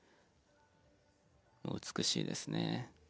美しいですね。